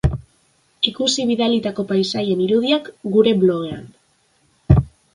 Ikusi bidalitako paisaien irudiak gure blogean.